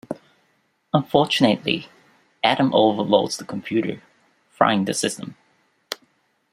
Unfortunately, Adam overloads the computer, frying the system.